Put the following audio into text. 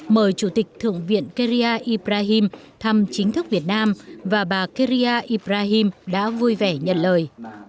mời chủ tịch thượng viện keria ibrahim thăm chính thức việt nam và bà kerrya ibrahim đã vui vẻ nhận lời